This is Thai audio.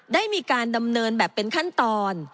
ได้มีการดำเนินแบบเป็นขั้นตอน